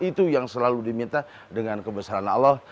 itu yang selalu diminta dengan kebesaran allah